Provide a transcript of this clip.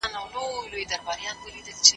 ستونزې د خبرو له لارې حلېږي.